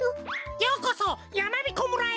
ようこそやまびこ村へ。